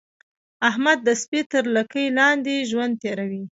احمد د سپي تر لګۍ لاندې ژوند تېروي.